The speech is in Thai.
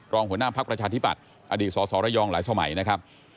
หัวหน้าภักดิ์ประชาธิบัติอดีตสสระยองหลายสมัยนะครับ